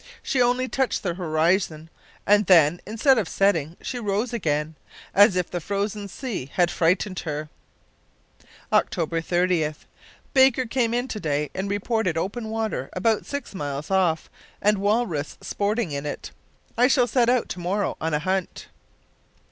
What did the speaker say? She only touched the horizon, and then, instead of setting, she rose again, as if the frozen sea had frightened her. "October 30th. Baker came in to day and reported open water about six miles off, and walrus sporting in it. I shall set out to morrow on a hunt."